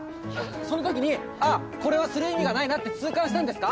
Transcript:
そのときにあっこれはする意味がないなって痛感したんですか？